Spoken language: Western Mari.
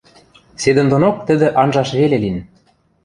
Седӹндонок тӹдӹ анжаш веле лин.